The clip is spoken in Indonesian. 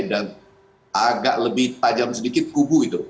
dan agak lebih tajam sedikit kubu itu